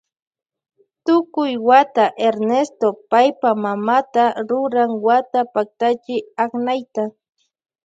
Tukuy wata Ernesto paypa mamata ruran wata paktachi aknayta.